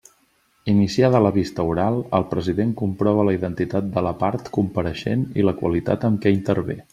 Iniciada la vista oral, el president comprova la identitat de la part compareixent i la qualitat amb què intervé.